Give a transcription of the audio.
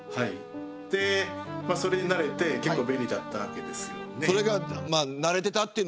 まあそれに慣れて結構便利だったわけですよね。